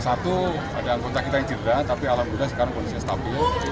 satu ada anggota kita yang cedera tapi alhamdulillah sekarang kondisinya stabil